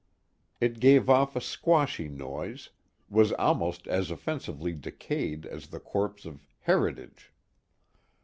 It gave off a squashy noise; was almost as offensively decayed as the corpse of "heritage."